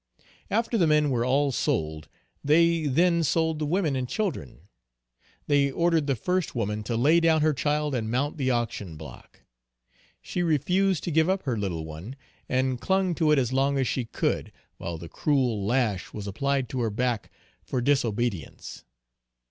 After the men were all sold they then sold the women and children. They ordered the first woman to lay down her child and mount the auction block; she refused to give up her little one and clung to it as long as she could, while the cruel lash was applied to her back for disobedience.